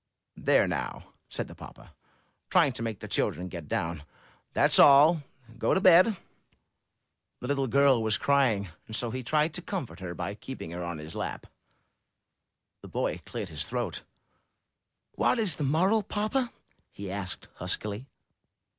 * There, now," said the papa, trying to make the children get down, ''that's all. Go to bed." The little girl was crying, and so he tried to comfort her by keeping her on his lap. The boy cleared his throat. ''What is the moral, papa?" he asked, huskily.